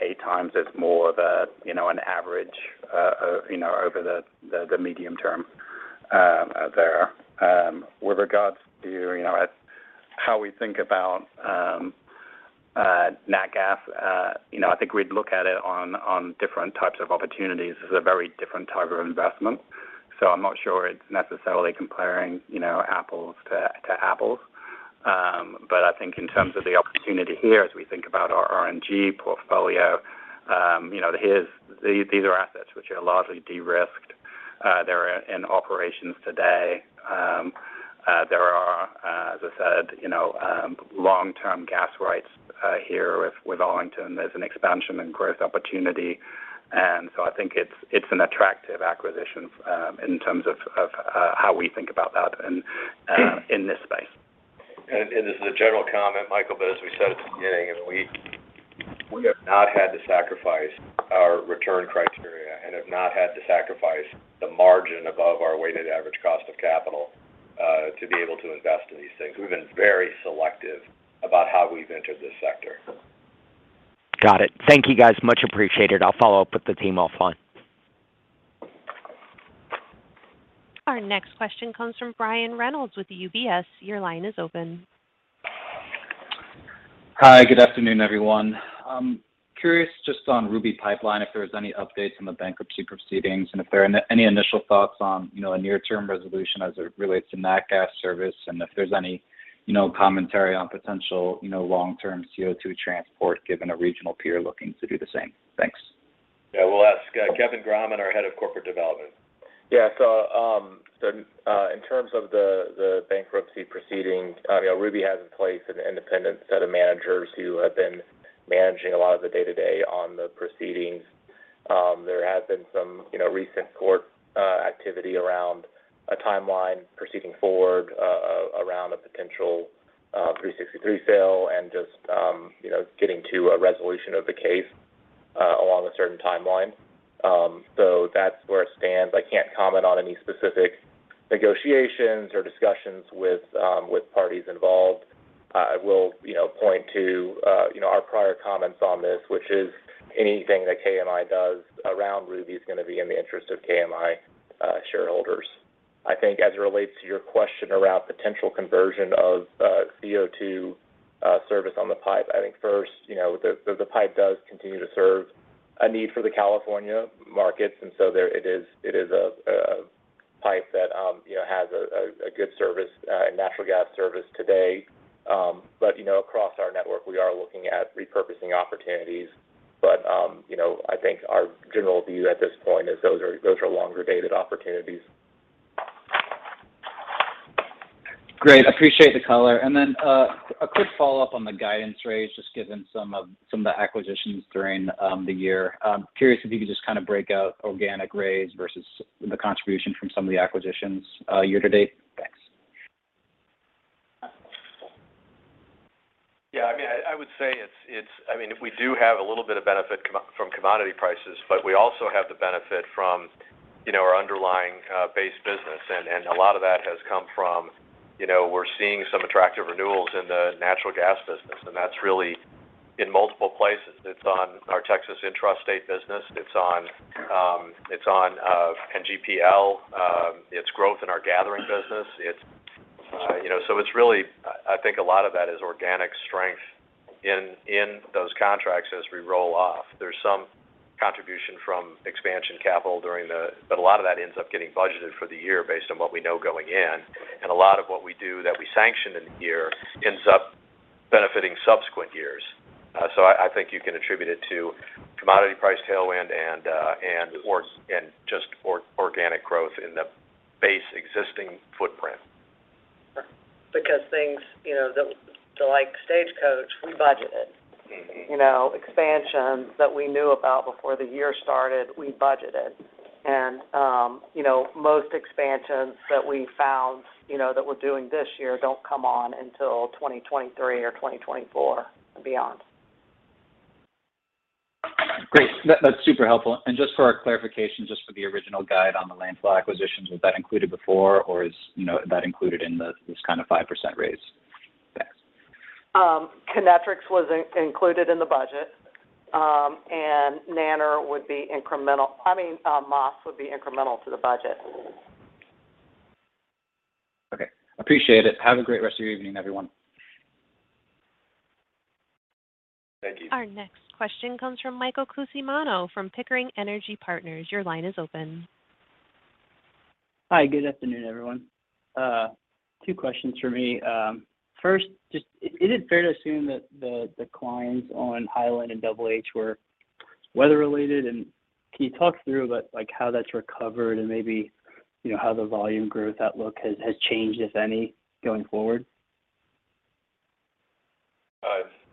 8 times is more of a you know an average over the medium term there. With regards to you know as how we think about nat gas you know I think we'd look at it on different types of opportunities. This is a very different type of investment, so I'm not sure it's necessarily comparing, you know, apples toapples. I think in terms of the opportunity here as we think about our RNG portfolio, you know, these are assets which are largely de-risked. They're in operations today. There are, as I said, you know, long-term gas rights here with Arlington. There's an expansion and growth opportunity. I think it's an attractive acquisition in terms of how we think about that in this space. This is a general comment, Michael, but as we said at the beginning, we have not had to sacrifice our return criteria and have not had to sacrifice the margin above our weighted average cost of capital to be able to invest in these things. We've been very selective about how we've entered this sector. Got it. Thank you, guys. Much appreciated. I'll follow up with the team offline. Our next question comes from Brian Reynolds with UBS. Your line is open. Hi. Good afternoon, everyone. I'm curious just on Ruby Pipeline, if there was any updates on the bankruptcy proceedings, and if there are any initial thoughts on, you know, a near-term resolution as it relates to nat gas service, and if there's any, you know, commentary on potential, you know, long-term CO2 transport given a regional peer looking to do the same. Thanks? Yeah. We'll ask, Kevin Grahmann, our head of corporate development. Yeah. In terms of the bankruptcy proceedings, you know, Ruby has in place an independent set of managers who have been managing a lot of the day-to-day on the proceedings. There has been some, you know, recent court activity around a timeline proceeding forward around a potential Section 363 sale and just, you know, getting to a resolution of the case along a certain timeline. That's where it stands. I can't comment on any specific negotiations or discussions with parties involved. I will, you know, point to, you know, our prior comments on this, which is anything that KMI does around Ruby is gonna be in the interest of KMI shareholders. I think as it relates to your question around potential conversion of CO2 service on the pipe, I think first, you know, the pipe does continue to serve a need for the California markets, there it is, it is a pipe that, you know, has a good service, natural gas service today. You know, across our network, we are looking at repurposing opportunities. You know, I think our general view at this point is those are longer dated opportunities. Great. Appreciate the color. Then, a quick follow-up on the guidance raise, just given some of the acquisitions during the year. I'm curious if you could just kind of break out organic raise versus the contribution from some of the acquisitions year-to-date. Thanks. I would say we do have a little bit of benefit come up from commodity prices, but we also have the benefit from, you know, our underlying base business. A lot of that has come from, you know, we're seeing some attractive renewals in the natural gas business, and that's really in multiple places. It's on our Texas intrastate business. It's on NGPL. It's growth in our gathering business. You know, so it's really, I think a lot of that is organic strength in those contracts as we roll off. There's some contribution from expansion capital during the. A lot of that ends up getting budgeted for the year based on what we know going in. A lot of what we do that we sanction in the year ends up benefiting subsequent years. I think you can attribute it to commodity price tailwind and organic growth in the base existing footprint. Because things, you know, the like Stagecoach, we budgeted. You know, expansions that we knew about before the year started, we budgeted. You know, most expansions that we found, you know, that we're doing this year don't come on until 2023 or 2024 and beyond. Great. That's super helpful. Just for our clarification on the original guide on the landfill acquisitions, was that included before or is, you know, that included in this kind of 5% raise? Thanks. Kinetrex was included in the budget, and another would be incremental. I mean, MAS would be incremental to the budget. Okay. Appreciate it. Have a great rest of your evening, everyone. Thank you. Our next question comes from Michael Cusimano from Pickering Energy Partners. Your line is open. Hi. Good afternoon, everyone. Two questions for me. First, just is it fair to assume that the declines on Hiland and HH were weather related? Can you talk through about, like, how that's recovered and maybe, you know, how the volume growth outlook has changed, if any, going forward?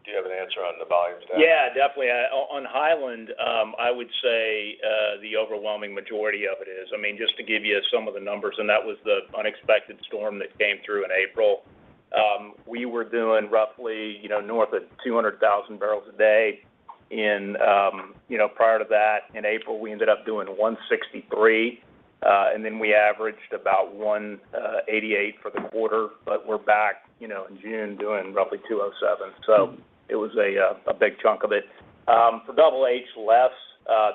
Do you have an answer on the volumes, Dax? Yeah, definitely. On Hiland, I would say the overwhelming majority of it is. I mean, just to give you some of the numbers. That was the unexpected storm that came through in April. We were doing roughly, you know, north of 200,000 barrels a day, you know, prior to that. In April, we ended up doing 163,000, and then we averaged about 188,000 for the quarter, but we're back, you know, in June doing roughly 207,000. It was a big chunk of it. For HH, less.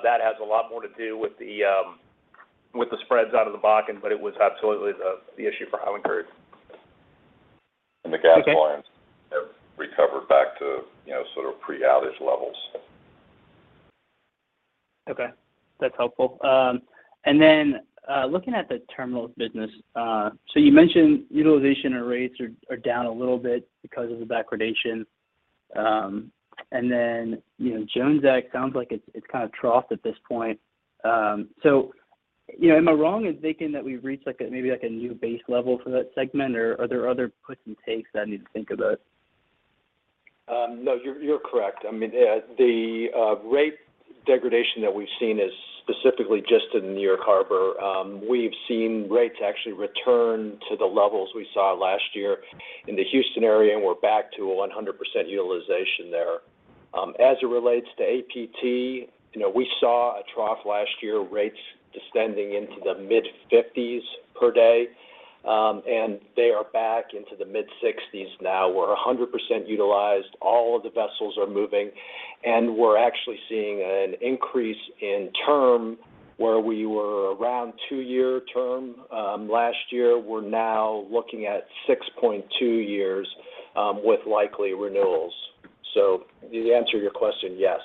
That has a lot more to do with the spreads out of the Bakken, but it was absolutely the issue for the period. The gas lines, have recovered back to, you know, sort of pre-outage levels. Okay. That's helpful. Looking at the terminals business, you mentioned utilization or rates are down a little bit because of the degradation. You know, Jones Act sounds like it's kind of troughed at this point. You know, am I wrong in thinking that we've reached like a, maybe like a new base level for that segment? Are there other puts and takes that I need to think about? No, you're correct. I mean, the rate degradation that we've seen is specifically just in New York Harbor. We've seen rates actually return to the levels we saw last year in the Houston area, and we're back to 100% utilization there. As it relates to APT, you know, we saw a trough last year, rates descending into the mid-50s per day, and they are back into the mid-60s now. We're 100% utilized. All of the vessels are moving, and we're actually seeing an increase in term where we were around two-year term last year. We're now looking at 6.2 years, with likely renewals. To answer your question, yes.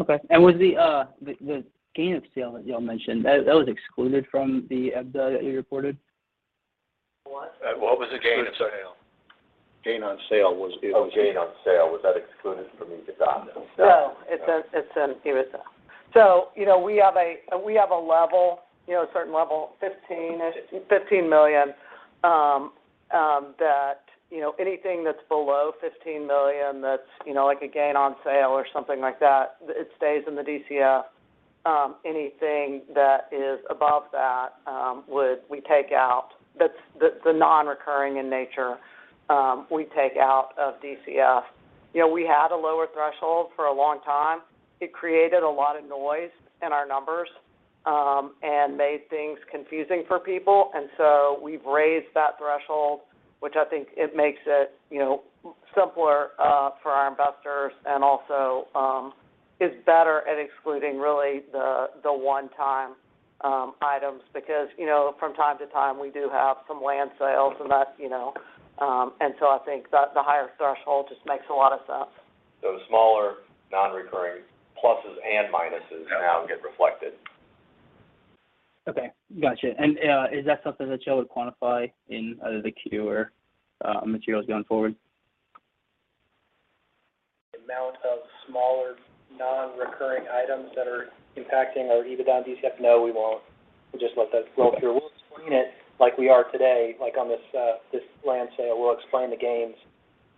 Okay. Was the gain on sale that y'all mentioned, that was excluded from the EBITDA that you reported? What was the gain on sale? Gain on sale. Was that excluded from the EBITDA? No, it's an EBITDA. You know, we have a level, a certain level, $15 million, that, you know, anything that's below $15 million that's, you know, like a gain on sale or something like that, it stays in the DCF. Anything that is above that, we take out. That's the non-recurring in nature, we take out of DCF. You know, we had a lower threshold for a long time. It created a lot of noise in our numbers and made things confusing for people. We've raised that threshold, which I think it makes it, you know, simpler for our investors and also is better at excluding really the one-time items. Because you know, from time to time, we do have some land sales and that's, you know, and so I think the higher threshold just makes a lot of sense. Those smaller non-recurring pluses and minuses now get reflected. Okay, gotcha. Is that something that y'all would quantify in like your materials going forward? Amount of smaller non-recurring items that are impacting our EBITDA and DCF? No, we won't. We'll just let that flow through. We'll explain it like we are today, like on this land sale. We'll explain the gains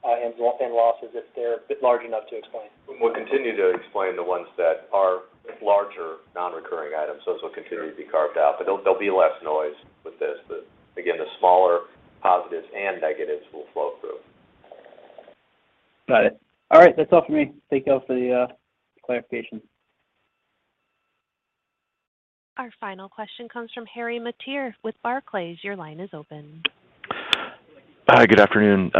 and losses if they're large enough to explain. We'll continue to explain the ones that are larger non-recurring items. Those will continue to be carved out. They'll, there'll be less noise with this. Again, the smaller positives and negatives will flow through. Got it. All right, that's all for me. Thank y'all for the clarification. Our final question comes from Harry Mateer with Barclays. Your line is open. Hi, good afternoon.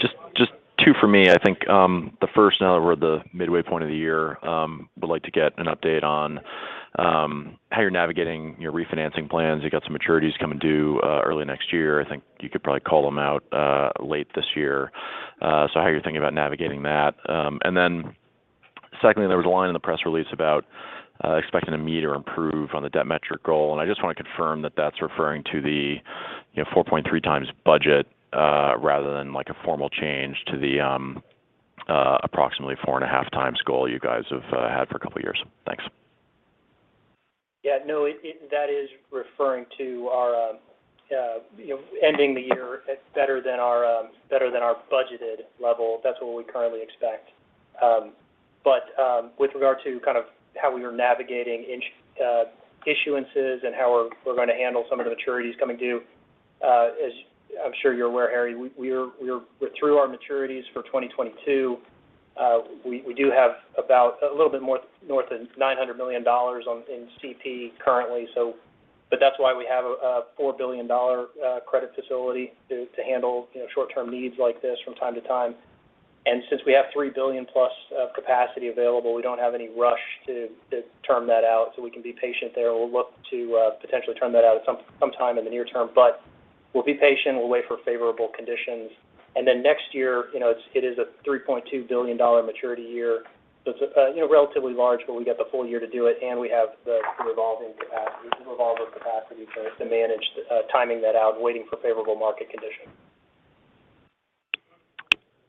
Just two for me. I think the first, now that we're at the midway point of the year, would like to get an update on how you're navigating your refinancing plans. You've got some maturities coming due early next year. I think you could probably call them out late this year. How you're thinking about navigating that. Secondly, there was a line in the press release about expecting to meet or improve on the debt metric goal, and I just wanna confirm that that's referring to the, you know, 4.3 times budget, rather than like a formal change to the approximately 4.5 times goal you guys have had for a couple years. Thanks. Yeah, no, that is referring to our, you know, ending the year at better than our budgeted level. That's what we currently expect. With regard to kind of how we are navigating issuances and how we're gonna handle some of the maturities coming due, as I'm sure you're aware, Harry, we are through our maturities for 2022. We do have about a little bit more north of $900 million in CP currently, so but that's why we have a $4 billion credit facility to handle, you know, short-term needs like this from time to time. Since we have $3 billion+ of capacity available, we don't have any rush to term that out, so we can be patient there. We'll look to potentially term that out at some time in the near term, but we'll be patient. We'll wait for favorable conditions. Next year, you know, it is a $3.2 billion maturity year, so it's you know, relatively large, but we got the full year to do it, and we have the revolving capacity, the revolver capacity to manage timing that out, waiting for favorable market conditions.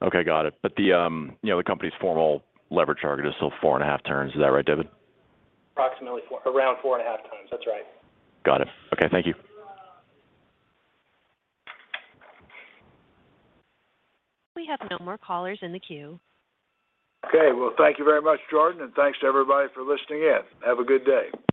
Okay, got it. The company's formal leverage target is still 4.5 times. Is that right, David? Approximately 4, around 4.5 times. That's right. Got it. Okay, thank you. We have no more callers in the queue. Okay. Well, thank you very much, Jordan, and thanks to everybody for listening in. Have a good day.